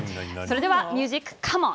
ミュージックカモン！